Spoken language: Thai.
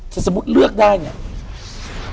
แต่สมมุติเลือกได้เนี่ย